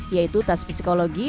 yaitu tas psikologi